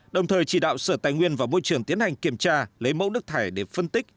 đồng thời chỉ đạo sở tài nguyên và môi trường tiến hành kiểm tra lấy mẫu nước thải để phân tích